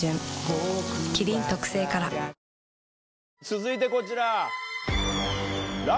続いてこちら。